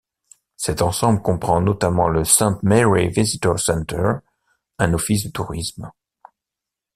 Cet ensemble comprend notamment le Saint Mary Visitor Center, un office de tourisme.